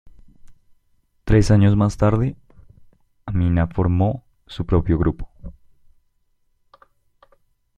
Tres años más tarde, Amina formó su propio grupo.